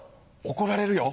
怒られるよ。